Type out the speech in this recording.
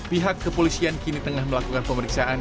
pihak kepolisian kini tengah melakukan pemeriksaan